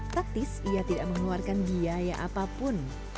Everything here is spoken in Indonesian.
taktis ia tidak mengeluarkan biaya apapun